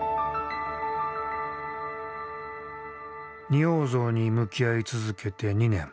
仁王像に向き合い続けて２年。